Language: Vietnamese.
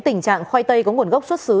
tình trạng khoai tây có nguồn gốc xuất xứ